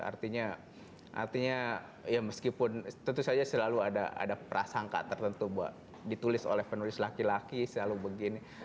artinya ya meskipun tentu saja selalu ada prasangka tertentu buat ditulis oleh penulis laki laki selalu begini